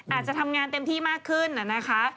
อาจจะทำงานเต็มที่มากขึ้นนะคะ